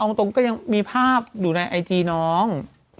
ตรงก็ยังมีภาพอยู่ในไอจีน้อง